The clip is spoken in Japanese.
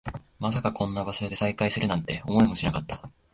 まさかこんな場所で再会するなんて、思いもしなかった